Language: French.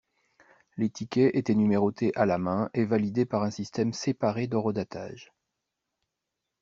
Les tickets étaient numérotés à la main et validés par un système séparé d'horodatage.